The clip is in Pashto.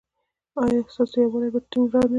ایا ستاسو یووالي به ټینګ نه وي؟